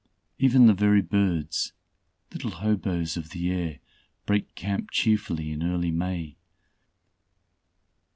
Even the very birds little hoboes of the air, break camp cheerfully in early May.